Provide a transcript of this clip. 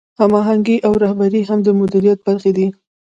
هماهنګي او رهبري هم د مدیریت برخې دي.